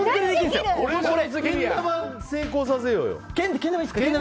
けん玉、成功させようよ！